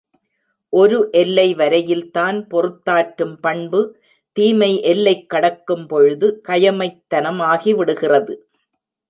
ஒரு எல்லை வரையில்தான் பொறுத்தாற்றும் பண்பு தீமை எல்லைக் கடக்கும் பொழுது கயமைத்தனமாகிவிடுகிறது!